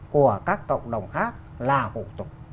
của các cộng đồng khác là hụ tục